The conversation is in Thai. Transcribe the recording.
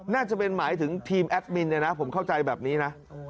น่าจะเป็นหมายถึงทีมแอดมินเนี่ยนะผมเข้าใจแบบนี้นะ